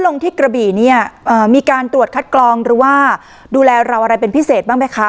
ลงที่กระบี่เนี่ยมีการตรวจคัดกรองหรือว่าดูแลเราอะไรเป็นพิเศษบ้างไหมคะ